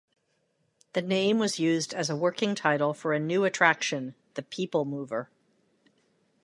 The name was used as a working title for a new attraction, the PeopleMover.